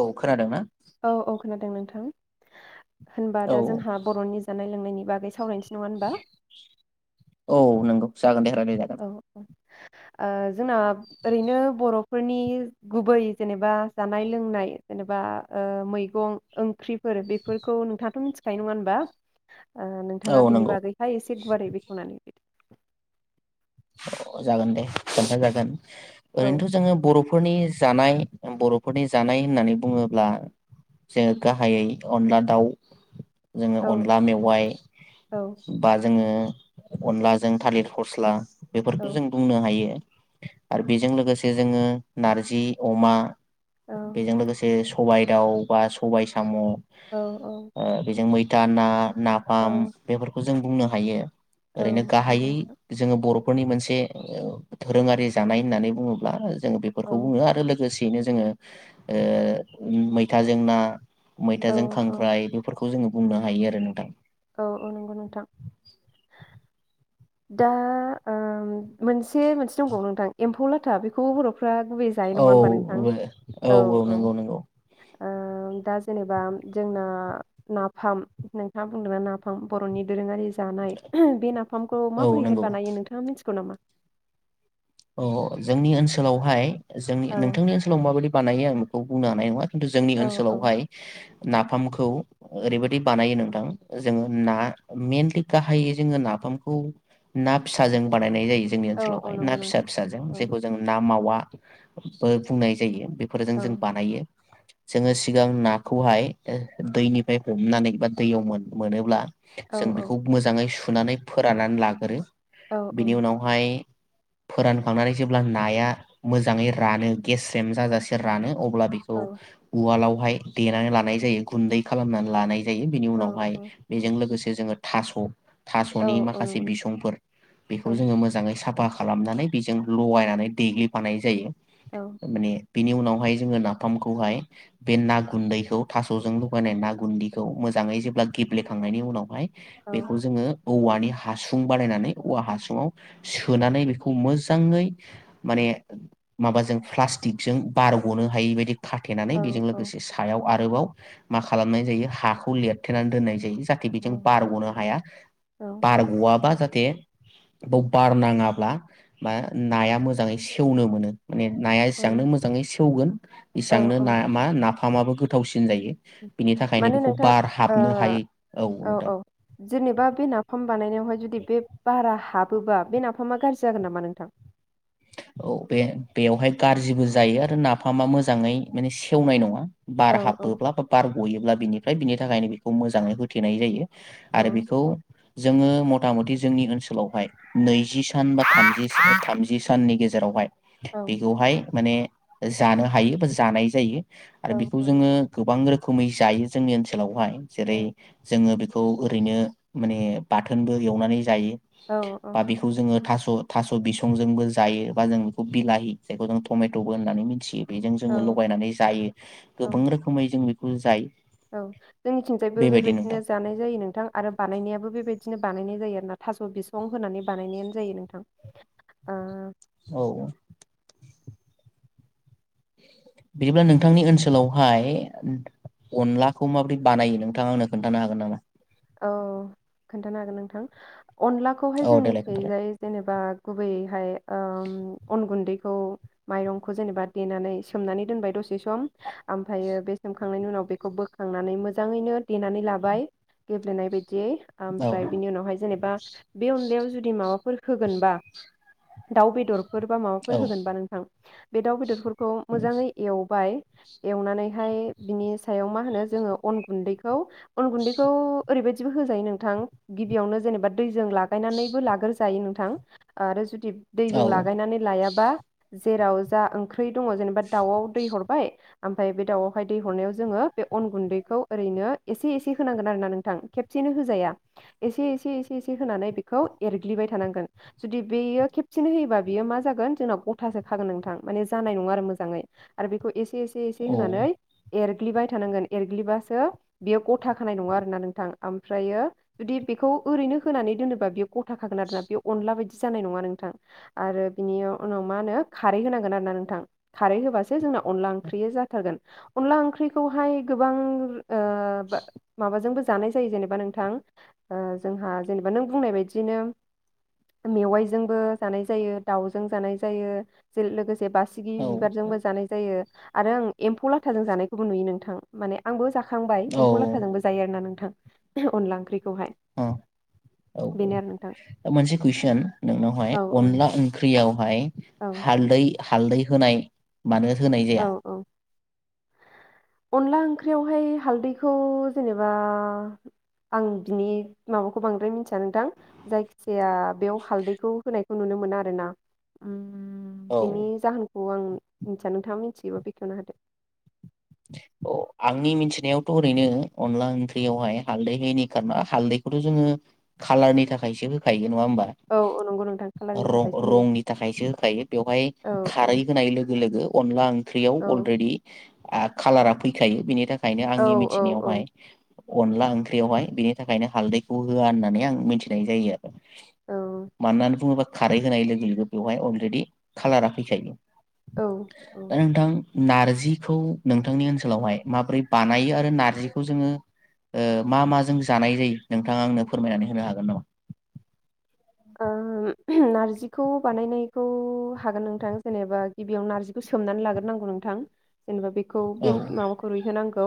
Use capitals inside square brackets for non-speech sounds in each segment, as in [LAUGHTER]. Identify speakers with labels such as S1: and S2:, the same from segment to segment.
S1: औ खोनादों ना
S2: औ औ खोनादों नोंथां होनबा
S1: औ
S2: दा जोंहा बर'नि जानाय लोंनायनि बागै सावराय
S1: औ नंगौ जागोन देे रायलाय जागोन
S2: औ औ ओ जोंना ओरैनो बर'फोरनि गुबै जेनेबा जानाय लोंनाय जेनेबा मैगं ओंख्रिफोर बेफोरखौ नोंथाङाथ' मिथिखायो नङा होनबा ओ नोंथाङा
S1: औ
S2: बिनि
S1: नंगौ
S2: बागैहाय एसे गुवारै बेखवनानै होदो
S1: अ जागोन दे खोनथा जागोन
S2: होदो।
S1: ओरैनोथ' जोङो बर' फोरनि जानाय बर'फोरनि जानाय होननानै बुङोब्ला जोङो गाहायै अनला दाउ जोङो
S2: औ
S1: अनला मेवाइ
S2: औ
S1: बा जोङो अनलाजों थालिर फस्ला बेफोरखौ
S2: औ
S1: जों बुंनो हायो। आरो बेजों लोगोसे जोङो नारजि अमा बेजों लोगोसे स सबाय दाउ बा सबाय साम' ओ
S2: औ औ
S1: बेजों मै दाना
S2: औ
S1: नाफाम बेफोरखौ ज जों बुंनो हायो।
S2: औ
S1: ओरैनो
S2: नंगौ
S1: गाहायै
S2: नोंथां
S1: जोङो बर' फोरनि मोनसे ओ धोरोङारि जानाय होननानै बुङोब्ला ओज जों
S2: औ
S1: बेफोरखौ बुङो आरो लोगोसे बिनो जोङो ओ ओम मैथाजों ना
S2: औ
S1: मैथाजों
S2: औ
S1: खांख्राइ इफोरखौ खौ जोङो बुंनो हायो आरो नोंथां।
S2: औ औ नंगौ नोंथां। दा ओ मोनसे मोनसे दंबावो नोंथां एम्फौ लाथा बेखौ बर'
S1: औ [UNINTELLIGIBLE] औ औ नंगौ नंगौ।
S2: ओ दा जेनेबा जोंना नाफाम नोंथाङा बुंदोंना नाफाम बर'नि दोरोङारि जानाय बे नाफाम खौ
S1: औ
S2: माबोरैहाय
S1: नंगौ
S2: बानायो नोंथाङा मिन मिथिगौ नामा?
S1: अ जोंनि ओनसोलावहाय जोंनि
S2: औ
S1: नोंथांनि ओनसोलाव माबायदि बानायो आं बेखौ बुंनो हानाय नङा। खिन्थु जोंनि
S2: औ औ
S1: ओनसोलावहाय नाफामखौ ओरैबादि बानायो नोंथां जोङो ना मेनलि गाहायै जोङो नाफामखौ ना फिसाजों बानायनाय जायो। जोंनि
S2: औ औ
S1: ओनसोलावहाय
S2: नंगौ
S1: ना
S2: नोंथां
S1: फिसा जों
S2: औ
S1: जेखौ जों ना मावा बो बुंनाय जायो। बेफोरजों
S2: औ
S1: जों बानायो। जोङो सिगां नाखौ हाय ओ दैनिफ्राय हमनानै बा दैयाव मोन मोनोब्ला
S2: औ
S1: जों बेखौ
S2: औ
S1: मोजाङै सु फुनानै फोराननानै लागोरो।
S2: औ औ
S1: बिनि उनावहाय फोरानखांनानै जेब्ला नाया मोजाङै रानो गेस्रेम जाजासे रानो अ ब्ला बेखौ
S2: औ
S1: उवालाव। हाय देनानै लानाय जायो गुन्दै खालामनानै लानाय। जायो बिनि
S2: औ
S1: उनावहाय
S2: औ
S1: बेजों लोगोसे जोङो थास'
S2: औ
S1: थास'नि
S2: औ
S1: माखासे
S2: नंगौ
S1: बिसंफोर बेखौ
S2: औ
S1: जोङो मोजाङै साफा खालामनानै बेजों लगायनानै देग्लिफानाय जायो।
S2: औ
S1: माने बेनि उनावहाय जोङो नाफामखौहाय बे ना गुन्दैखौ थास'जों लगायनाय ना गुन्दैखौ मोजाङै जेब्ला गेब्लेखांनायनि उनावहाय
S2: औ
S1: बेखौ जोङो औवानि हासुं बानायनानै औवा हासुुंआव सोनानै खौ मोजांयै माने माबाजों प्लासथिक जों बारग'नो हायै बायदि खाथेनानै बेजों
S2: औ
S1: लोगोसे सायाव आरोबाव मा खालामनाय जायो हाखौ लेरथेनानै दोननाय जायो। जाहाथे बेजों बारग'नो हाया
S2: औ
S1: बारग'आबा थे बाव बार नाङाब्ला बा नाया मोजाङै सेवनो मोनो माने नाया
S2: औ
S1: जांनो मोजाङै [UNINTELLIGIBLE]
S2: औ
S1: इसांनो
S2: औ
S1: ना मा ना फामाबो गोथावसिन जायो बिनि थाखायनो
S2: माने
S1: बेखौ
S2: नोंथां
S1: बार
S2: ओ
S1: हाबनो हायै
S2: औ
S1: नोंथां
S2: औ जेनेबा बे नाफाम बानायनायावहाय जुदि बे बारा हाबोबा बे नाफामा गाज्रि जागोन नामा नोंथां?
S1: औ बे बेवहाय गाज्रिबो जायो आरो नाफामा मोजाङै माने सेवनाय नङा।
S2: औ
S1: बार
S2: औ
S1: हाबोब्ला बा बार गयोब्ला बिनि बिनि थाखायनो बेखौ मोजाङै होथेनाय जायो। आरो
S2: औ
S1: बेखौ जोङो मथा मथि जोंनि ओनसोलावहाय नैजि थाम थामजि [UNINTELLIGIBLE] नि गेजेरावहाय
S2: औ
S1: बेखौहाय माने जानो हायो बा जानाय जायो। आरो
S2: औ
S1: बेखौ जोङो गोबां रोखोम रोखोमै जायो जोंनि ओनसोलावहाय
S2: औ
S1: जेरै जोङो खौ ओरैनो माने बाथोनबो एवनानै जायो
S2: औ
S1: बा बेखौ जोङो थास थास बिसंजोंबो जा जायो बा जों बेखौ बिलाहि जायखौ जों टमेटबो होननानै मिथियो बेजों
S2: औ
S1: जोङो लगायनानै जायो
S2: औ
S1: गोबां रोखोमै जों बे जायो
S2: औ जोंनिथिंजायबो
S1: बेबायदि
S2: बेबायदिनो
S1: नोंथां
S2: जानाय जायो नोंथां आरो बानायनायाबो बेबायदिनो बिदिनो बानायनाय जायो आरो ना थास बिसं होनानै बानायनाय जायो नोंथां ओ
S1: [INAUDIBLE] औ बिदिब्ला नोंथांनि ओनसोलावहाय अनलाखौ माबोरै बानायो नोंथाङा आंनो खोन्थानो हागोन नामा
S2: औ खोनथानो हागोन नोंथां अनलाखौहाय
S1: औ देलाय खोन्थालाय
S2: जोंनिखैजाय जेनेबा गुबै ओमफ्राय ओ गुन्दैखौ माइरंखौ जेनेबा देनानै सोमनानै दोनबाय दसे सम ओमफ्रायो बे सोमखांनायनि उनाव बेखौ बोखांनानै मोजाङैनो देनानै लाबाय गेबलेनाय बायदि दि ओमफ्राय
S1: औ
S2: बिनि उनावहाय जेनेबा बे अनलायाव जुदि माबाफोर होगोनबा दाउ बेदर फोर बा माबाफोर होगोनबा नोंथां बे दा बेदरफोरखौ खौ मोजाङै एवबाय एवनानैहाय बिनि सायाव मा होनो जोङो अन गुन्दैखौ अन गुन्दैखौ ओरैबायदिबो होजायो नोंथां गिबियावनो जेनेबा दैजों लागायनानैबो लाग्रोजायो नोंथां आरो जु दैजों
S1: औ
S2: लागायनानै लायाबा जेराव जा ओंख्रि दङ जेनेबा दाउआव दै हरबाय ओमफ्राय बे दाउआवहाय दै हरनायाव जोङो बे अन गुन्दैखौ ओरैनो एसे एसे होनांगोन आरो ना नों खबसेनो होजाया एसे एसे एसे होनानै बेखौ एरग्लिबाय थानांगोन जुदि बियो खेबसेनो होयोबा बियो मा जागोन नोंथां गथासो खागोन जानाय नंङा आरो मोजाङै एसे एसे
S1: औ औ
S2: होनानै एर एरग्लिबाय थानांगोन एरग्लिबासो बेयो गथा खानाय नङा आरोना नों नोंथां ओमफ्रायो जुदि बेखौ ओरैनो होनानै दोनोबा बेयो गथााखागोन आरोना बे अनला बायदि जानाय नङा नोंथां आरो बिनि उनाव मा होनो खारै होनांगोन आरो ना नोंथां खारै होबासो जोंना अनला ओंख्रि जाथारगोन अनला ओंख्रिखौहाय गोबां ओ माबाजोंबो जानाय जायो जेनेबा नोंथां ओ जोंहा नों बुंनाय बायदिनो मेवायजोंबो जानाय जायो दावजों जानाय जायो जेरै लोगोस से बासिगि
S1: औ
S2: बिबारजोंबो जानाय जायो आरो आं एम्फौ लाथाजों जानायखौबो नुयो नोंथां माने आंबो जा खांबाय एम्फौ लाथाजोंबो जायो आरो ना नों थां अनला ओंख्रि आरो नोंथां
S1: [UNINTELLIGIBLE] मोनसे कुइसन नोंनावहाय
S2: औ
S1: अनला ओंख्रियावहाय
S2: औ
S1: हालदै हालदै होनाय मानो होनाय
S2: औ
S1: जाया
S2: औ अनला ओंख्रियावहाय हालदैखौ जेनेबा आं बिनि माबाखौ बांद्राय मिथिया नोंथां जायखिजाया बेयाव हालदैखौ होनायखौ नुनो मोना आरो ना उम
S1: औ
S2: बिनि जाहोनखौ आं मिथिया नों थाङा मिनथियोबा बेखेवना होदो
S1: अ आंनि मिथिनायावथ ओरैनो अनला ओंख्रियावहाय हालदै होयैनि खारना हालदैखौथ जोङो खालारनि थाखायसो होखा यो नङा होमबा
S2: औ औ नंगौ नोंथां कालारनि थाखायसो होयो
S1: र-रंनि थाखायसो होखायो बेवहाय
S2: औ
S1: खारै होनाय लोगो लोगो अनला ओंख्रियाव
S2: औ
S1: अलरेदि आ खालारा फैखायो बिनि था खायनो
S2: औ
S1: आंनि मिथिनायावहाय अनला ओंख्रियावहाय बेनि थाखायनो हालदैखौ होआ होननानै आं मिनथिनाय जायो आ मानो
S2: औ
S1: होननानै बुङोबा खारै होनाय लोगो लोगो बेवहाय अलरेडि खालारा फैखायो
S2: औ औ
S1: नारजि खौ नोंथांनि ओनसोलावहाय माब्रै बानायो आरो नारजिखौ जोङो ओ मा माजों जानाय जायो नोंथाङा आंनो फोरमायनानै होनो हागोन नामा
S2: ओ नारजिखौ बानायनायखौ हागोन नोंथां जेनेबा गिबियाव नारजिखौ सोमनानै लाग्रोनांगौ नोंथां जेनेबा बेखौ
S1: औ
S2: बे माबाखौ रुयहोनांगौ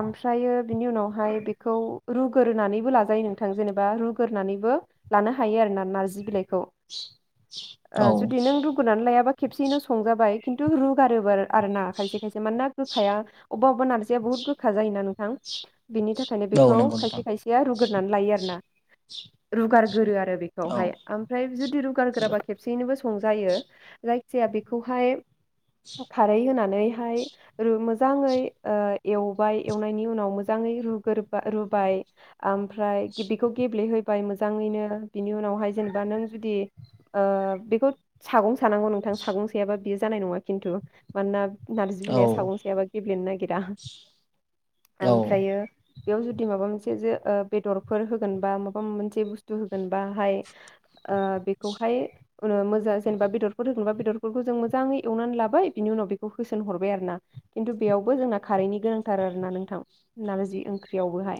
S2: ओमफ्रायो बिनि उनावहाय बेखौ रुग्रोरनानैबो लाजायो नोंथां जेनेबा रुग्रोनानैबो लानो हायो आरो ना नारजि बिलाइ खौ ओ
S1: औ
S2: जुदि नों रुग्रोनानै लायाबा खेबसेैनो संजाबाय खिन्थु रुगारोबा आरोना खायसे खायसे मानोना गोखाया अबेबा अबेबा नारजिया बहुत गोखा जायोना नों थां बिनि थाखायनो
S1: औ
S2: बेखौ
S1: नंगौ नोंथां
S2: खायसे खायसेया रुग्रोनानै लायो आरोना रुगार गोरो आरो बे
S1: औ
S2: खौहाय ओमफ्राय जुदि [UNINTELLIGIBLE] बा खेबसेयैनो बो संजायो जायखिजाया बेखौहाय खारै होनानैहाय रु मोजाङै ओ एवबाय एवनायनि उनाव मोजाङै रुग्रोबा रुबाय ओमफ्राय गे बेखौ गेब्लेहोबाय मोजाङैनो बिनि उनावहाय जेनेबा नों जुदि ओ बेखौ सागं सानांगौ नोंथां सागं सायाबा बेयो जानाय नङा खिन्थु मानोना नारजि
S1: औ
S2: बिलाइया सागं सायाब गेब्लेनो ना गिरा
S1: औ
S2: ओमफ्रायो बेयाव जुदि माबा मोनसे जे ओ बेदरफोर होगोन बा माबा मोनसे बुस्थु होग गोनबाहाय ओ बेखौहाय ओ मोजां जेनबा बेदरफोर होगोनबा बे दरफोरखौ जों मोजाङै एवनानै लाबाय बिनि उनाव बेखौ होसोन हरबाय आरो ना। खिन्थु बेयावबो जोंना खारैनि गोनांथार आरो ना नोंथां नारजि ओंख्रियावबोहाय।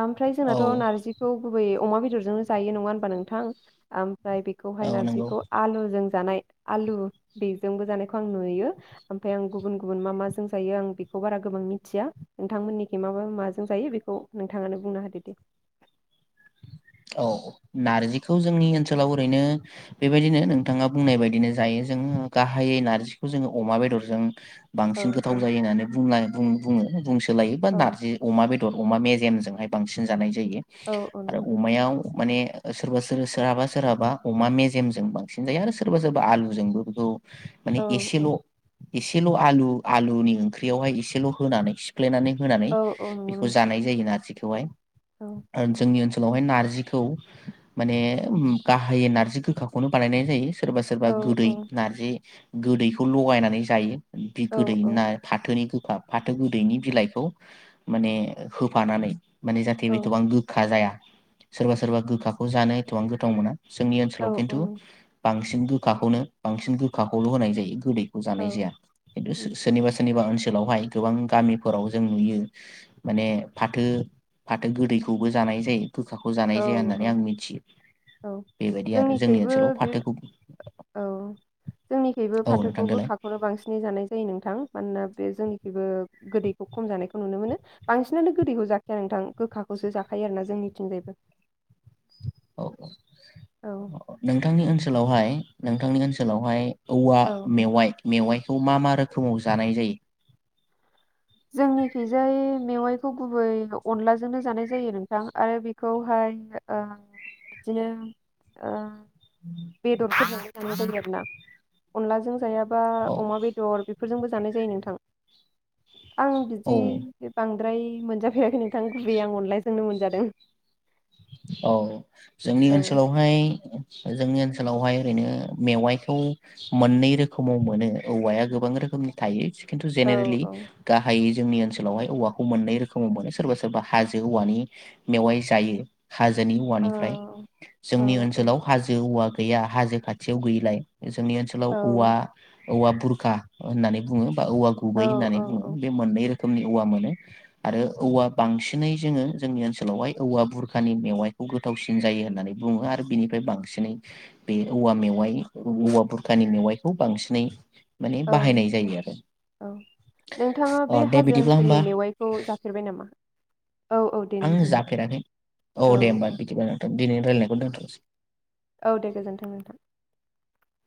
S2: आमफ्राय जोंनाथ'
S1: औ
S2: नारजिखौ गुबै अमा बेदरजों जोंनो जायो नङा होमबा नोंथां? आम फ्राय बेखौहाय
S1: औ नंगौ
S2: नारजिखौ आलुजों जानाय आलु बेजोंबो जानायखौ आं नुयो ओमफ्राय आं गुबुन गुबुन मा माजों जायो आं बेखौ बारा गोबां मिथिया नोंथांमोननिखै मा माजों जायो बेखौ नोंथाङानो बुंना होदो दे।
S1: औ नारजिखौ जोंनि ओनसोलाव ओरैनो बेबायदिनो नोंथाङा बुंनाय बायदिनो जायो जोङो गाहायै नार्जिखौ जोङो अमा बेदरजों
S2: औ
S1: बांसिन गोथाव
S2: औ
S1: जायो होननानै बुंनाय बुं बोङो बुंसो सोलायो बा
S2: औ
S1: नारजि अमा बेद दर अमा मेजेमजोंहाय बांसिन जानाय जायो
S2: औ औ
S1: आरो
S2: नंगौ नोंथां
S1: अमायाव माने सोरबा सोर सोरहाबा सोरहाबा अमा मेजेमजों बांसिन जायो आरो सोरबा सोरबा आलुजोंबो बेखौ माने
S2: औ
S1: एसेल'
S2: औ
S1: एसेल' आलु आलुनि ओंख्रियावहाय एसेल' होनानै से फ्लेनानै होनानै
S2: औ औ नंगौ
S1: बेखौ
S2: नोंथां
S1: जानाय जायो नारजिखो। खौहाय।
S2: औ
S1: जोंनि ओनसोल लावहाय नारजिखौ माने गाहायै नारजि गोखाखौनो बानायनाय जायो। सोरबा सोरबा
S2: औ
S1: गोदै
S2: औ
S1: नारजि गोदैखौ लगायनानै जायो। बि
S2: औ
S1: गोदै नाय फाथोनिखो फाथो गोदैनि बिलाइखौ माने होफानानै माने जाथे
S2: औ
S1: बेथबां गोखा जाया सोरबा सोरबा गोखाखौ जानो एथ'बां गोथाव मोना। जोंनि
S2: औ
S1: ओनसोलाव खिन्थु
S2: औ नंगौ।
S1: बांसिन सिन गोखाखौनो बांसिन गोखाखौल' होनाय जायो गोदै खौ
S2: औ
S1: जानाय जाया। खिन्थु
S2: उम
S1: सो-सोरनिबा सोरनिबा ओनसो सोलावहाय गोबां गामिफोराव जों नुयो माने फाथो फाथो गोदैखौबो जानाय जायो। गोखाखौ जानाय
S2: औ
S1: जाया
S2: औ
S1: होननानै आं मिथियो
S2: औ
S1: बेबायदि आरो जोंनि ओनसोलाव
S2: जोंनिखैबो-बे
S1: फाथोखौ
S2: औ- जोंनिखैबो
S1: औ नोंथां
S2: फाथोखौ
S1: देलाय
S2: गोखाखौनो बांसिनै जानाय जायो नोंथां। मानोना बे जोंनिखैबो गोदैखौ खम जानायखौ नुनो मोनो बांसिनानो गोदैखौ जाखाया नोंथां गोखाखौसो जाखायो आरोना जोंनिथिंजायबो।
S1: औ
S2: औ
S1: नोंथांनि ओनसोलावहाय नोंथांनि ओनसोलावहाय औवा
S2: औ औ
S1: मेवाइ मेवाइ खौ मा मा रोखोमाव जानाय जायो?
S2: जोंनिखैजाय मेवाइखौ गुबै अनलाजोंनो जानाय जायो नोंथां आरो बेखौहाय ओ- बिदिनो- ओ बेदरफोरजोंबो जानाय जायो आरो। अनलाजों जाया। बा
S1: औ
S2: अमा बेदर बेफोरजोंबो। जानाय जायो नोंथां। आं
S1: औ
S2: बिदि बां द्राय मोनजाफेराखै नों। थां गुबै आं अनायजोंनो मोनज। [INAUDIBLE]
S1: औ। जोंनि ओनसोलावहाय। जोंनि ओनसोलावहाय ओरैनो मेवाइखौ मोननै रोखोमाव मोनो औवाया गोबां रोखोमनि थायो। खिन्थु
S2: औ
S1: जेनेरेलि
S2: औ
S1: गाहाय। जोंनि ओनसोलावहाय औवाखौ मोननाय रोखोमाव मोनो सोरबा सोरबा हाजो औवानि मेवाइ जायो। हाजोनि
S2: औ
S1: औवानिफ्राय
S2: औ
S1: जोंनि
S2: औ
S1: ओनसोलाव हाजो औवा। गैया हाजो खाथियाव गैयिलाय। जोंनि ओनसोलाव
S2: औ
S1: औवा। औवा बुरखा होननानै बुङो। औवा गुबै
S2: औ
S1: होननानै बुङो बे मोननै रो। रोखोमनि औवा मोनो आरो औवा बांसिनै जोङो जोंनि ओनसोलावहाय औवा बुर। बुरखानि मेवाइखौ गोथावसिन जायो होननानै बुङो आरो बेनिफ्राय बांसिनै बे औवा मेवाइ औवा बुरखानि मेवाइखौ बांसिनै। माने
S2: औ
S1: बाहायनाय जायो आरो
S2: औ नोंथाङा बे
S1: अ दे
S2: हाजो
S1: बिदिब्ला
S2: ओनसोलनि
S1: होमबा
S2: मेवाइखौ जाफेरबाय नामा? औ औ दे
S1: आं
S2: नोंथां दे
S1: जाफेराखै औ दे होनबा बिदिबा दे नोंथां। दिनै रायलायनायखौ दोनथसैय।
S2: औ दे गोजोन्थों नोंथां।